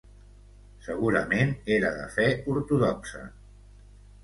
Segurament era de fe ortodoxa.